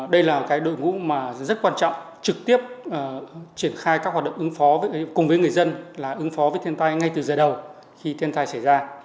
đây là đội ngũ mà rất quan trọng trực tiếp triển khai các hoạt động ứng phó cùng với người dân là ứng phó với thiên tai ngay từ giờ đầu khi thiên tai xảy ra